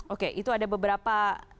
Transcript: oke itu ada beberapa